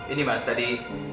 ini mas tadi